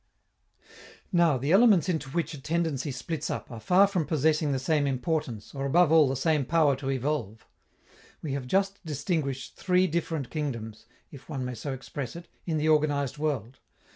Now, the elements into which a tendency splits up are far from possessing the same importance, or, above all, the same power to evolve. We have just distinguished three different kingdoms, if one may so express it, in the organized world.